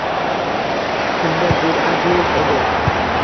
Kimda jur’at yo’q edi.